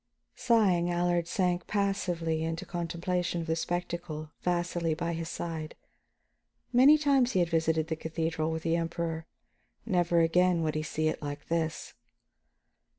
Sighing, Allard sank passively into contemplation of the spectacle, Vasili by his side. Many times he had visited the cathedral with the Emperor, never again would he see it like this.